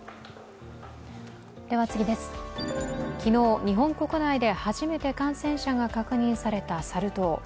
昨日、日本国内で初めて感染者が確認されたサル痘。